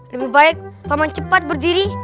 lebih baik paman cepat berdiri